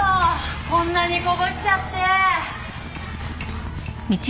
こんなにこぼしちゃって！